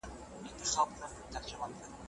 ښځه او میړه یو بل بشپړوي.